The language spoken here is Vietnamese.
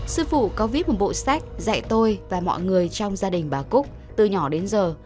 sư phụ có víp một bộ sách dạy tôi và mọi người trong gia đình bà cúc từ nhỏ đến giờ